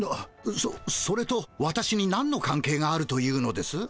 そそれと私になんのかん係があるというのです？